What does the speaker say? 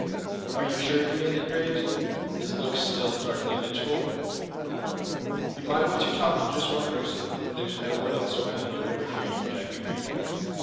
"Are you sure?" demanded Graves, his look still darkly vengeful. "You might talk to just one person when there's no one else around to overhear you," Jack agreed.